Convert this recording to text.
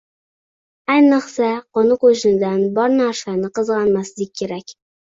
Ayniqsa, qo‘ni-qo‘shnidan bor narsani qizg‘anmaslik kerak